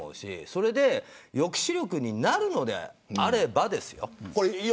それで抑止力になるのであればですよ。